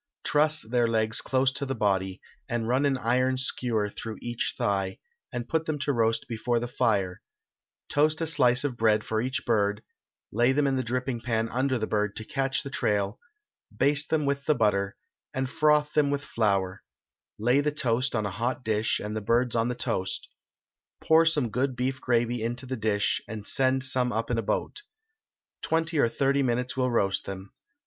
Truss their legs close to the body, and run an iron skewer through each thigh, and put them to roast before the fire; toast a slice of bread for each bird, lay them in the dripping pan under the bird to catch the trail; baste them with butter, and froth them with flour; lay the toast on a hot dish, and the birds on the toast; pour some good beef gravy into the dish, and send some up in a boat. Twenty or thirty minutes will roast them.